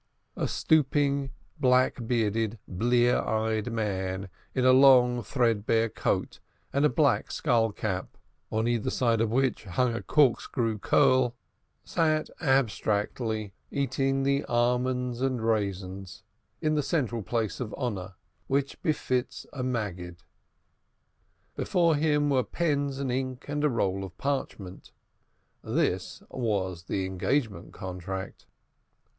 A stooping black bearded blear eyed man in a long threadbare coat and a black skull cap, on either side of which hung a corkscrew curl, sat abstractedly eating the almonds and raisins, in the central place of honor which befits a Maggid. Before him were pens and ink and a roll of parchment. This was the engagement contract.